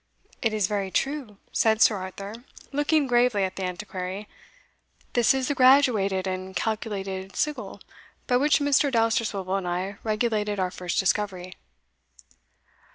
"It is very true," said Sir Arthur, looking gravely at the Antiquary; "this is the graduated and calculated sigil by which Mr. Dousterswivel and I regulated our first discovery."